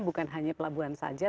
bukan hanya pelabuhan saja